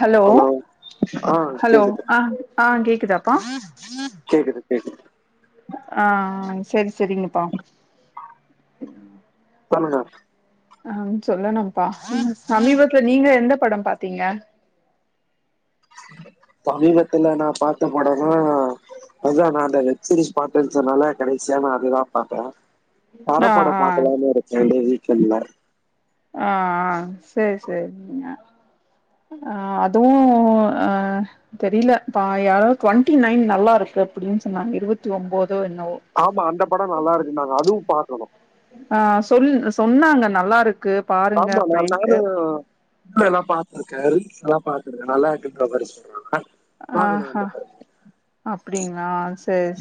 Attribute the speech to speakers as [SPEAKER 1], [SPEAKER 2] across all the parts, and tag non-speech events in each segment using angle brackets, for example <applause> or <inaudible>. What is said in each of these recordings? [SPEAKER 1] hello
[SPEAKER 2] ஆ
[SPEAKER 1] hello
[SPEAKER 2] கேக்குது
[SPEAKER 1] ஆ ஆ கேக்குதுதாப்பா
[SPEAKER 2] கேக்குது கேக்குது
[SPEAKER 1] ஆ சேரி சேரிங்கபா
[SPEAKER 2] சொல்லுங்க
[SPEAKER 1] அ சொல்லணும்பா சமீபத்துல நீங்க எந்த படம் பாத்தீங்க
[SPEAKER 2] சமீபத்துல நா பாத்தா படம்ன அதுதா நா அந்த வெப்சிரீஸ் பாத்தேன்னு சொன்னல்ல கடைசியா அதுதா பாத்தே
[SPEAKER 1] ஆ
[SPEAKER 2] தடப்படோ
[SPEAKER 1] ஆ
[SPEAKER 2] பாக்கலான் நெனச்சே அப்டே வீட்ல இருந்ததுனால
[SPEAKER 1] ஆ ஆ சேரி சேரிங்க அ அதுவு அ தெரில பா யாரோ டுவெண்ட்டி நைன் நல்லா இருக்கு அப்டின்னு சொன்னாங்க இருவத்தி ஒம்போதோ என்னவோ
[SPEAKER 2] ஆமா அந்த படோ நல்லா இருக்குதுன்னாங்க அதுவு பாக்கணு
[SPEAKER 1] ஆ சொல் சொன்னாங்க நல்லா இருக்கு பாருங்க
[SPEAKER 2] ஆமா நான்
[SPEAKER 1] அப்டின்ட்டு
[SPEAKER 2] நானு இல்ல நா பாத்திருக்கே அதை எல்லா பாத்திக்கே நல்லா இருக்குன்ற மாயி சொல்றாங்க
[SPEAKER 1] அ
[SPEAKER 2] பாக்கணு
[SPEAKER 1] ஆ
[SPEAKER 2] அந்த படோ
[SPEAKER 1] அப்டிங்ளா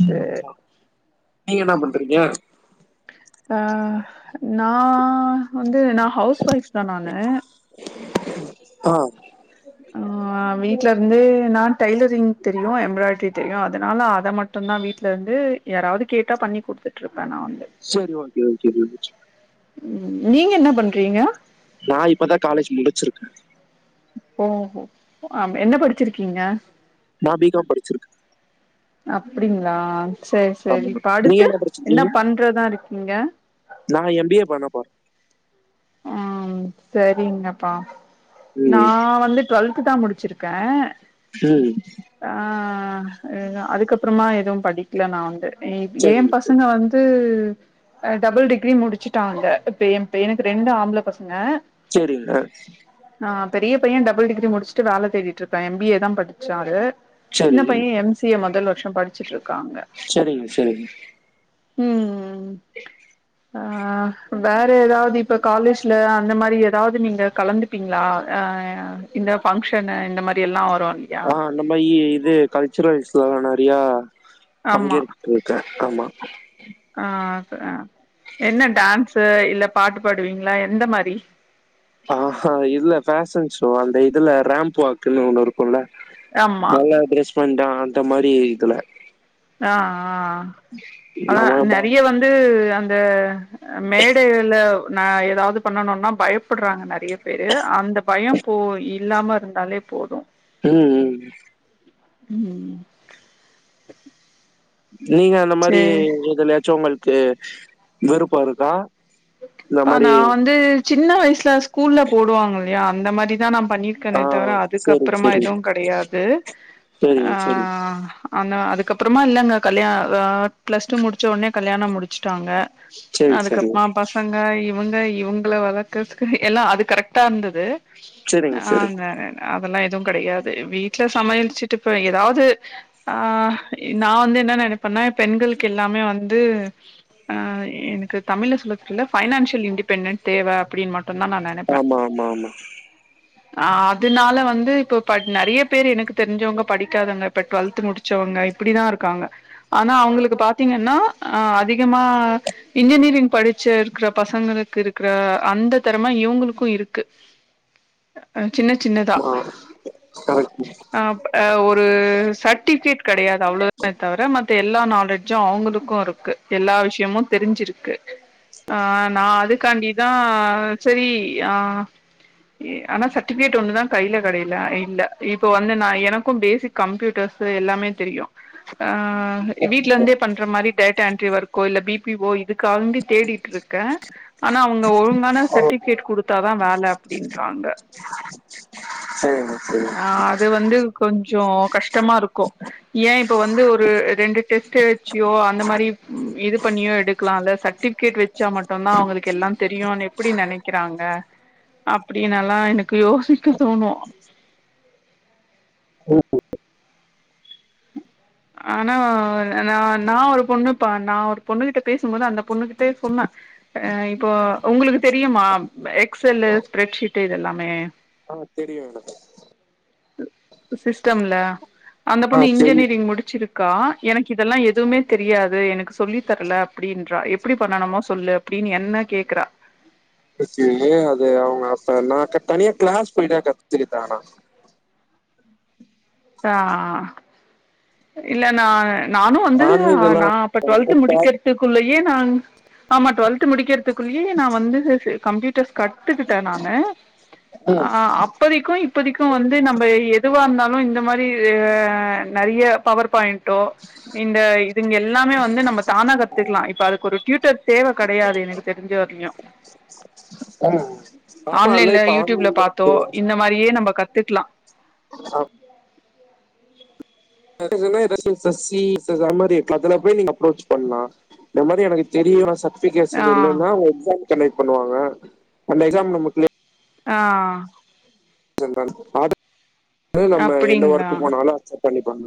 [SPEAKER 2] ம் ஆமா நீங்க என்ன பண்றீங்க
[SPEAKER 1] நா வந்து நா ஹவுஸ் ஒய்ஃப் தா நானு
[SPEAKER 2] ஆ
[SPEAKER 1] ஆ வீட்ல இருந்தே நா டைய்லரிங் தெரியு எம்ப்ராய்டரி தெரியு அதனால அத மட் மட்டு தா வீட்ல இருந்து யாராவது கேட்டா பண்ணி குடுத்துட்டு இருப்பே நா வந்து
[SPEAKER 2] சரி ஓகே ஓகே
[SPEAKER 1] ம் நீங்க என்ன பண்றீங்க
[SPEAKER 2] நா இப்பதா காலேஜ் முடிச்சிருக்கே
[SPEAKER 1] ஒ ஓ அப்டியா என்ன படிச்சிருக்கீங்க
[SPEAKER 2] நா பி காம் படிச்சிருக்க
[SPEAKER 1] அப்பிடிங்களா சேரி சேரி
[SPEAKER 2] ஆமா
[SPEAKER 1] இப்ப
[SPEAKER 2] நீங்க
[SPEAKER 1] அடுத்து என்ன
[SPEAKER 2] படிச்சிருக்கீங்க
[SPEAKER 1] பண்றதா இருக்கீங்க
[SPEAKER 2] நா எம் பிஏ பண்ண போற
[SPEAKER 1] ம் சரிங்கப்பா
[SPEAKER 2] ம்
[SPEAKER 1] நா வந்து டுவெல்த் த்துதா முடிச்சிருக்கே
[SPEAKER 2] ச்சி
[SPEAKER 1] ஆ அதுக்கப்புறமா எதுவும் படிக்கல நா வந்து ஏ
[SPEAKER 2] சரிங்க
[SPEAKER 1] பசங்க வந்து த்து டபுள் டிகிரி முடிச்சிட்டாங்க இப்ப ஏ பையனுக்கு ரெண்டு ஆம்பள பசங்க
[SPEAKER 2] சேரிங்க
[SPEAKER 1] ஆ பெரிய பையே டபுள் டிகிரி முடிச்சிட்டு வேல தேடிட்டு இருக்கா எம்பிஏதா படிச்சாரு சின்ன
[SPEAKER 2] சரி
[SPEAKER 1] பையே எம்சிஏ முதல் வருஷோ படிச்சிட்டு இருக்காங்க
[SPEAKER 2] சரிங்க சரிங்க
[SPEAKER 1] ம் ம் ஆ வேற எதாவது இப் ப காலேஜ்ல அந்த மாரி எதாவது நீங்க கலந்துப்பீங்களா ஆ இந்த ஃபங்க்ஷனு இந்த மாரி எல்லா வரு இல்லையா
[SPEAKER 2] இந்த மா இ இது கல்ச்சுரல்ஸ்ல்லா நெறையா
[SPEAKER 1] ஆமா
[SPEAKER 2] பங்கேற்க்கே ஆமா
[SPEAKER 1] ஆ என்ன டான்ஸ் இல்ல பாட்டு பாடுவீங்களா எந்த மாரி
[SPEAKER 2] ஆ ஆஹ் இல்ல பேஷன் ஷோ அந்த இதுல ரேம்ப் வாக்குன்னு ஒன்னு இரு குல்ல
[SPEAKER 1] ஆமா
[SPEAKER 2] நல்லா ட்ரெஸ் பண்ணிட்டா அந்த மாரி இதுல
[SPEAKER 1] ஆ ஆ அதா
[SPEAKER 2] நம்ம பா-
[SPEAKER 1] நெறைய வந்து அந்த மேடையிள நா எதாவது பண்ணனுன்னா பயப்படறாங்க நெறைய பேரு அந்த பயம் போ இல்லாம இருந்தாலே போது
[SPEAKER 2] ம் ம்
[SPEAKER 1] ம்
[SPEAKER 2] நீங்க அந்த மாரி
[SPEAKER 1] சரிப்பா
[SPEAKER 2] எதலயாச்சு உங்களுக்கு விருப்போ இருக்கா இந்த
[SPEAKER 1] ப்ப
[SPEAKER 2] மாதிரி
[SPEAKER 1] நா வந்து சின்ன வயசுல ஸ்கூல்ல போடுவாங்க இல்லையா அந்த மாரிதா நா
[SPEAKER 2] ஆ
[SPEAKER 1] பண்ணியிருக்கேனே ட்தவிர
[SPEAKER 2] சரி
[SPEAKER 1] அதுக்கப்புறமா
[SPEAKER 2] சரி
[SPEAKER 1] எதுவு கெடையாது
[SPEAKER 2] சரிங்க
[SPEAKER 1] ஆ ஆனா அதுக்கப்புறமா இல்லங்க கல்யாண ப்ளஸ் டூ முடிச்சவுன்னே கல்யாணம் முடிச்சிட்டாங்க
[SPEAKER 2] சரி சரி சரி
[SPEAKER 1] அதுக்கப் க இவங்க இவங்க வளக்கதுக்கு எல்லா அது கரெக்டா இருந்தது
[SPEAKER 2] சரிங்க சரி
[SPEAKER 1] நாங்க அதெல்லா எதுவு கெடையாது வீட்ல சமையலிச்சிட்டு இப்ப எதாவது ஆ நா வந்து என்ன நெனைப்பேன்னா பெண்களுக்கு எல்லாமே வந்து ஆ எனக்கு தமிழ்ல சொல்லக்குல பைனான்சியல் இண்டிபெண்டன்ட் தேவ அப்டின்னு மட்டுதா நா நென
[SPEAKER 2] ஆமா ஆமா ஆமா
[SPEAKER 1] ஆ அதனால வந்து இப்ப ப நெறைய பேரு எனக்கு தெரிஞ்சவங்க படிக்காதவங்க இப்ப டுவெல்த் முடிச் ச்சவங்க இப்பிடிதா இருக்காங்க ஆனா அவங்களுக்கு பாத்தீங்கன்னா ஆ அதிகமா இன்ஜினியர் த்தின் படிச்ச இருக்கற பசங்களுக்கு இருக்கிற அந்த தரமா இவங்களுக்கு இருக்கு அ சின்ன சின்னதா
[SPEAKER 2] ஆ கரெக்ட்
[SPEAKER 1] ஆ அப் ஒரு சர்ட்டிஃபிகேட் கெடையாது அவ்ளோதா தவர மத்த எல்லா நாலேஜ்ஜு அவங்களுக்கு இருக்கு எல்லா விஷ்யமு தெரிஞ்சிருக்கு அ நா அதுக்காண்டிதா சரி அ ஆனா சர்டிஃபிகேட் ஒன்னுதா கைல கெடையில இல்ல இப்ப வந்து நா எனக்கு பேசிக் கம்ப்யூட்டர்ஸ் எல்லாமே தெரியு ஆ வீட்லந்தே பண்ற மாரி டேட்டா என்ட்ரி ஒர்க்கோ இல்ல பிபிஓ இதுக்கா தேடிட்டு இருக்கே ஆனா அவுங்க ஒழுங்கான
[SPEAKER 2] ஓ
[SPEAKER 1] சர்ட்டிபிகேட் குடுத்தாதா வேல அப்டின்றாங்க
[SPEAKER 2] செரிங்க செரி
[SPEAKER 1] இது வந்து கொஞ்சோ கஷ்டமா இருக்கு ஏ இப்ப வந்து ஒரு ரெண்டு டெஸ்ட் வச்சியோ அந்த மாரி இது பண்ணியோ எடுக்கலாம்ல்ல சர் டிபிகேட் வச்சா மட்டுதா அவுங்களுக்கு எல்லா தெரியுனு எப்டி நெனைக்கிறாங்க அ ப்டின்னெல்லா எனக்கு யோசிக்க தோணு ஆனா ந நா ஒரு பொண்ணுப்ப நா ஒரு பொண்ணு கிட்ட பேசும்போது அந்த பொண்ணு கிட்டயே சொன்னே ஆ இப்போ உங்களுக்கு தெரியுமா எக்ஸ் எல்லு ஸ்பரெட்ஷீட்டு இதெல்லாமே
[SPEAKER 2] ஆ தெரியு எனக்கு
[SPEAKER 1] சி சிஸ்டம்ல அந்த
[SPEAKER 2] ஆ
[SPEAKER 1] பொண்ணு
[SPEAKER 2] தெரியு
[SPEAKER 1] இன்ஜினியரிங் முடிச்சிருக் கா எனக்கு இதெல்லா எதுவுமே தெரியாது எனக்கு சொல்லி தர்ல அப்டின்றா எப்டி பண்ணணுமோ சொல்லு அப் டின்னு என்ன கேக்குறா
[SPEAKER 2] ஓகே அது அவுங்க அப்ப நா க தனியா க்ளாஸ் போய்த கத்துக்கிட்ட ஆன
[SPEAKER 1] ஆ இல்ல நா நானு வந்து
[SPEAKER 2] நானே இதெல்லா
[SPEAKER 1] நா அப்ப டுவெல்த் முடிக்கத்துக்குள்ளயே நா ஆமா டுவெல்த் முடிக்கிறதுக்குள்ளேயே நா வந்து கம்ப்யூட்டர்ஸ் கத்துக்கிட்ட நானு
[SPEAKER 2] ம்
[SPEAKER 1] அ அப்பதிக்கு இப்பதிக்கு வந்து நம்ம எதுவா இருந்தாலு இந்த மாரி அ நெறைய பவர் பாயிண்ட்டோ இந்த இதுங்க எல்லாமே வந்து நம்ம தானா கத்துக்கலா இப்ப அதுக்கு ஒரு ட்யூட்டர் தேவ கடையாது எனக்கு தெரிஞ்ச வர்லியு
[SPEAKER 2] ம் ஆமா அல்ல
[SPEAKER 1] ஆன்லைன்ல
[SPEAKER 2] இப்ப
[SPEAKER 1] யூடியூப்ல
[SPEAKER 2] ஆன்லைன்ல
[SPEAKER 1] பாத்தோ
[SPEAKER 2] இருக்கு
[SPEAKER 1] இன்ன மாரியே நம்ம கத்துக்கலா
[SPEAKER 2] ஆ <unintelligible> ச சி ப்ளஸ் ப்ளஸ் அந்த மாரி இருக்கு அதுல போய் நீங்க அப்ரோச் பண்லா இந்த மாரி எனக்கு தெரியு நா சட்
[SPEAKER 1] ஆ
[SPEAKER 2] அப்ளிகேஷன் இல்லனா உங்களுக் கான்டக்ட் பண்ணுவாங்க அந்த எக்ஸாம் நம்ம க்ளியர்
[SPEAKER 1] ஆ
[SPEAKER 2] <unintelligible> அடுத்து நம்ம எந்த
[SPEAKER 1] அப்டிங்களா
[SPEAKER 2] ஒர்க்க போனாலு அக்சப் பண்ணிப்பாங்க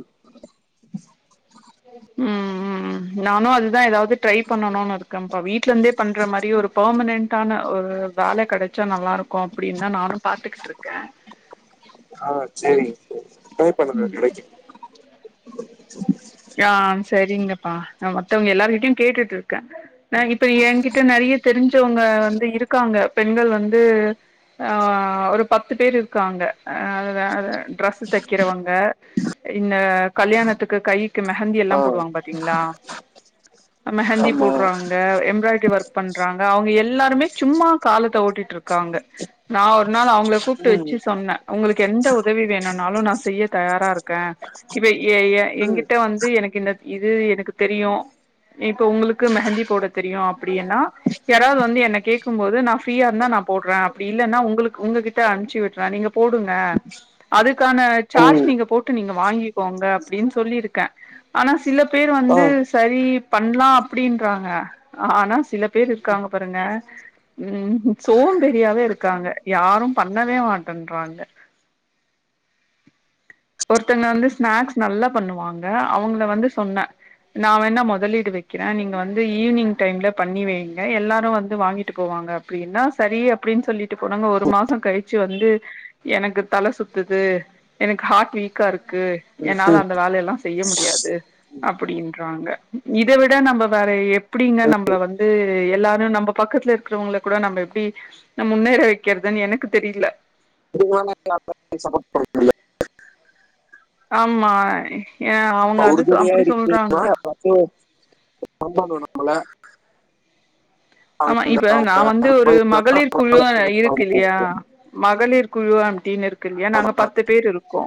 [SPEAKER 1] ம் ம் ம் நானு அதுதா ஏதாவ் து ட்ரை பண்ணுனு இருக்கப்பா வீட்டுல இருந்தே பண்ற மாரி ஒரு பெர்மனன்டான ஒரு வேல கெடச்சா நல்லா இருக்கு அப்டின்னு தா நானு பாத்துகிட்டு இருக்கே
[SPEAKER 2] ஆ செரிங்க <inaudible> ட்ரை பண்ணுங்க கெடைக்கு
[SPEAKER 1] ஆ செரிங்கப்பா நா மத்தவங்க எல்லாருகிட்டயு கேட்டுட்டு இருக்கே அ இப்ப என்கிட்ட நெறைய தெரிஞ்சவங்க வந்து இருக்காங்க பெண்கள் வந்து ஆ ஒரு பத்து பேர் இருக்குறாங்க <unintelligible> டிரஸ்ஸு தைக்கிறவங்க இந்த <unintelligible> கு கைக்கு மெஹந்தி எல்லா
[SPEAKER 2] ஆ
[SPEAKER 1] போடுவாங்க பாத்தீங்களா அ மெஹந்தி
[SPEAKER 2] ஆமா
[SPEAKER 1] போட்றவாங்க எம்ப்ராய்டரி ஒர்க் பண்றாங்க அவுங்க எல்லாருமே சும்மா காலத்த ஓட்டிட்டு இருக்காங்க நா ஒரு நாள் அவுங்கள கூப்ட்டு
[SPEAKER 2] ம்
[SPEAKER 1] வச்சு சொன்னே உங்களுக்கு எந்த உதவி வேணுனாலு நா செய்ய தயாரா இருக்கே இப்ப எ எ
[SPEAKER 2] ம்
[SPEAKER 1] என்கிட்ட வந்து எனக்கு இந்த இது எனக்கு தெரியு இப்ப உங்களுக்கு மெஹந்தி போட தெரியு அப்டின்னா யாராவ்து வந்து என்ன கேக்கு போது நா ஃப்ரீயா இருந்தா நா போடுறே அப்டி இல்லன்னா உங்களுக்கு உங்ககிட்ட அனுப்பிச்சு விட்டுறே நீங்க போடுங்க அதுக்கான சார்ஜ்
[SPEAKER 2] ம்
[SPEAKER 1] நீங்க போட்டு நீங்க வாங்கிக்கோங்க அப் டின் சொல்லியிருக்கே ஆனா சில பேர்
[SPEAKER 2] ஆ
[SPEAKER 1] வந்து சரி பண்ணலா அப்டின்றாங்க ஆனா சில பேர் இருக்காங்க பாருங்க ம் சோம்பேரியாவே இருக்காங்க யாரு பண்ணவே மாட்டேன்றாங்க ஒருத்தங்க வந்து ஸ்நாக்ஸ் நல்லா பண்ணுவாங்க அவங்கள வந்து சொன்னே நா வேணா முதலீடு வைக்கிறே நீங்க வந்து ஈவினிங் டைம்ல பண்ணி வைங்க எல்லாரு வந்து வாங்கிட்டு போவாங்க அப்டின்னா சரி அப்டின்னு சொல்லிட்டு போனாங்க ஒரு மாசோ கழிச்சு வந்து எனக்கு தல சுத்துது எனக்கு ஹார்ட் வீக்கா இருக்கு என்னால அந்த வேலையெல்லா செய்ய முடியாது அப்டின்றாங்க இத விட நம்ம வேற எப்டிங்க நம்மள வந்து எல்லாரு நம்ம பக்கத்துல இருக்கிறவங்க கூட நம்ம எப்டி நம்ம முன்னேற வைக்கிறதுன்னு எனக்கு தெரில
[SPEAKER 2] விருப்பமே இல்லாம எப்டி <unintelligible>
[SPEAKER 1] ஆமா ஏ அவுங்க அது அப்டி சொல்றாங்க
[SPEAKER 2] ம் அமொண்டு வேணாமுள்ள
[SPEAKER 1] ஆமா இப்ப நா வந்து ஒரு மகளிர் குழு இருக்கு இல்லையா மகளிர் குழு அப்டின்னு இருக் கு இல்லையா நாங்க பத்து பேர் இருக்கோ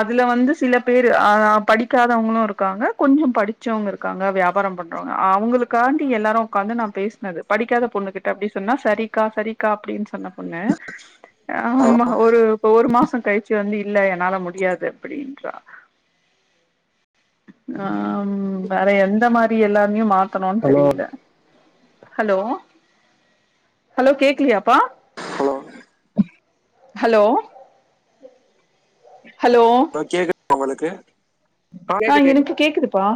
[SPEAKER 1] அதுல வந்து சில பேரு அ படிக்காதவங்களு இருக்காங்க கொஞ்சோ படிச் சவங்க இருக்காங்க வியாபாரோ பண்றவங்க அவங்களுக்காண்டி எல்லாரு உட்காந்து நா பேச னது படிக்காத பொண்ணுகிட்ட அப்டின் சொன்னா சரிகா சரிகா அப்டின்னு சொன்னா பொண்ணு அ ஒரு ஒரு மாசோ கழிச் சி வந்து இல்ல என்னால முடியாது அப்டின்றா ஆ ம் வேற எந்த மாதிரி எல்லாமையு மாத்தணும்னு
[SPEAKER 2] ஹலோ
[SPEAKER 1] தெரில ஹலோ ஹலோ கேக்கலியாப்பா
[SPEAKER 2] ஹலோ
[SPEAKER 1] ஹலோ ஹலோ
[SPEAKER 2] கேக்குதா உங்களுக்கு
[SPEAKER 1] ஆ
[SPEAKER 2] கேக்குது
[SPEAKER 1] எனக்கு
[SPEAKER 2] கேக்குது
[SPEAKER 1] கேக்குதுப்பா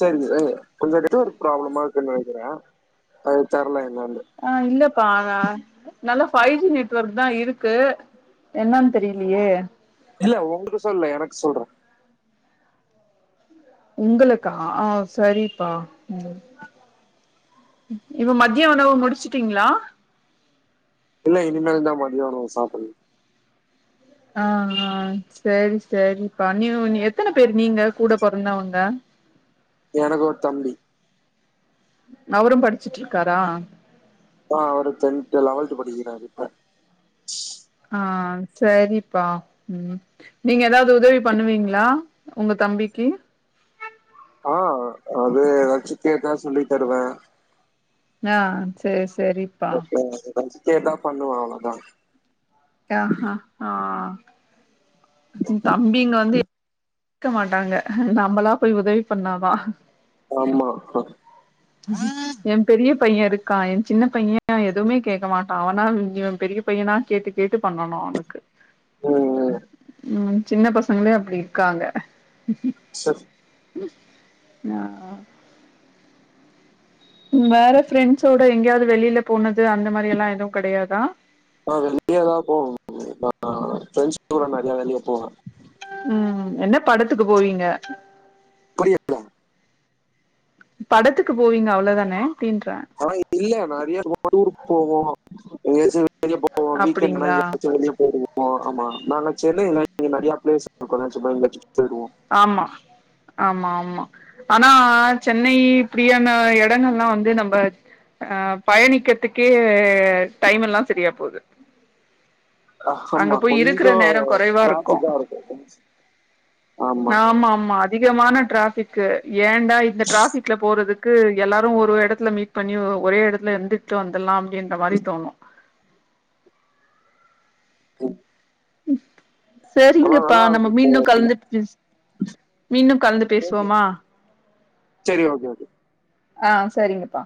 [SPEAKER 2] சரிங்க ஆ கொஞ்சோ நெட் ஒர்க் ப்ராப்ளமா இருக்குன்னு நெனைக்கிறே அது தெர்ல என்னன்னு
[SPEAKER 1] ஆ இல்லப்பா நல்லா பைவ் ஜி நெட்வொர்க் தா இருக்கு என்னன்னு தெரியிலையே
[SPEAKER 2] இல்ல உங்களுக்கு சொல்லல எனக்கு சொல்றே
[SPEAKER 1] உங்களுக்கா ஆ சரிப்பா ம் இப்ப மத்திய உணவ முடிச்சுட்டீங்களா
[SPEAKER 2] இல்ல இனிமேல்தா மதிய உணவு சாப்பனு
[SPEAKER 1] ஆ ஆ சேரி சேரிப்பா நீயூ எத்தன பேரு நீங்க கூட பொறந்தாவங்க
[SPEAKER 2] எனக்கு ஒரு தம்பி
[SPEAKER 1] அவரு படிச்சிட்டு இருக்காரா
[SPEAKER 2] ஆ அவரு டென்த் லெவல்த் படிக்கிறாரு இப்ப
[SPEAKER 1] ஆ சேரிப்பா ம் நீங்க ஏதாவது உதவி பண்ணுவீங்களா உங்க தம்பிக்கு
[SPEAKER 2] ஆ அது எதாச்சு கேட்டா சொல்லி தருவே
[SPEAKER 1] ஆ சேரி சேரி
[SPEAKER 2] முக்கியோ எதாச்சு கேட்ட பண்ணுவா அவளதா
[SPEAKER 1] அ அ ஆ தம்பிங்க வந்து கேக்க மாட்டாங்க நம்மளா போய் உதவி பண்ணாதா
[SPEAKER 2] ஆமா அ
[SPEAKER 1] என் பெரிய பையன் இருக்கான் என் சின்ன பையன் எதுவுமே கேக்க மாட்டான் அவனா இவன் பெரிய பையனா கேட்டு கேட்டு பண்ணணும் அவனுக்கு
[SPEAKER 2] ம் ம்
[SPEAKER 1] ம் சின்ன பசங்களே அப்டி இருக்காங்க
[SPEAKER 2] சர்
[SPEAKER 1] ஆ வேற ஃப்ரெண்ட்ஸோட எங்கயாவது வெளில போனது அந்த மாரி எல்லாம் எதுவும் கடையாதா
[SPEAKER 2] ஆ வெளியலா போவோம் அ ப்ரெண்ட்ஸ் கூட நறைய வெளியே போவேன்
[SPEAKER 1] ம் என்ன படத்துக்கு போவீங்க
[SPEAKER 2] <inaudible>
[SPEAKER 1] படத்துக்கு போவீங்க அவ்ளோவுதானே அப்டின்ற
[SPEAKER 2] ஆ இல்ல நறைய ரொம்ப தூரம் போவோம் எங்கயாச்சும் வெளிய போவோம் வீக்கெண்ட்னா
[SPEAKER 1] அப்டிங்களா
[SPEAKER 2] எங்கயாச்சும் வெளிய போயிடுவோம் ஓ ஆமா நாண்ல சென்னைல இங்க நறையா பிளேஸ் போலன்னு சொன்ன பிக்ஸ் ஆயிடுவோம்
[SPEAKER 1] ஆமா ஆமா ஆமா ஆனா சென்னை இப்டியான இடங்கள்லாம் வந்து நம்ப ஆ பயணிக்கத்துக்கே டைம் எல்லாம் சரியா போது
[SPEAKER 2] அஹ்,
[SPEAKER 1] அங்க
[SPEAKER 2] ஆமா
[SPEAKER 1] போய் இருக்குற
[SPEAKER 2] கொஞ்சம்
[SPEAKER 1] நேரம் கொறைவா இருக்கும்
[SPEAKER 2] டிராபிக்கா இருக்கும்
[SPEAKER 1] ஆமா ஆமா அதிகமான டிராபிக் ஏண்டா இந்த டிராபிக்ல போறதுக்கு எல்லாரும் ஒரு இடத்துல மீட் பண்ணி ஒரே இடத்துல இருந்துட்டு வந்துடலாம் அப்டின்ற மாரி தோணும்
[SPEAKER 2] ம்
[SPEAKER 1] செரிங்கப்பா நம்ப
[SPEAKER 2] இருக்கும்
[SPEAKER 1] மீண்டும் கலந்துட்டு பேசவோ மீண்டும் கலந்து பேசுவோமா
[SPEAKER 2] செரி ஓகே ஓகே
[SPEAKER 1] ஆ செரிங்கப்பா